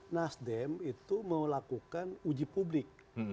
nasdem itu melakukan uji publik